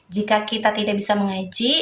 jika kita tidak bisa mengaji